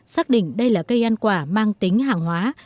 xác định đây là cây ăn quả mang tính hàng hóa